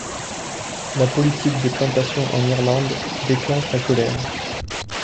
La politique des plantations en Irlande déclenche la colère.